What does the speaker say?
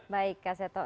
baik kak seto